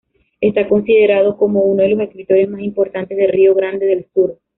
Está considerado como uno de los escritores más importantes de Río Grande del Sur.